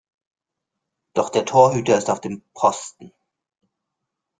Doch der Torhüter ist auf dem Posten.